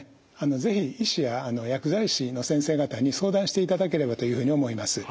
是非医師や薬剤師の先生方に相談していただければというふうに思います。